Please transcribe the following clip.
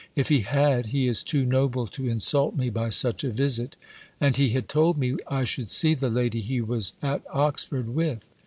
If he had, he is too noble to insult me by such a visit; and he had told me, I should see the lady he was at Oxford with.